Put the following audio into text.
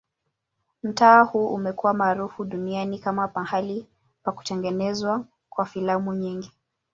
Mtaa huu umekuwa maarufu duniani kama mahali pa kutengenezwa kwa filamu nyingi.